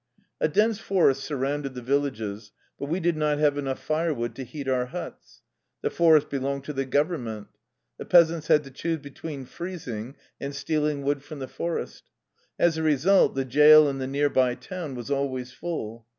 A dense forest surrounded the villages, but we did not have enough firewood to heat our huts. The forest belonged to the Government. The peasants had to choose between freezing and stealing wood from the forest. As a result, the jail in the near by town was always full.